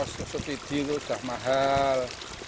subsidi itu sudah mahal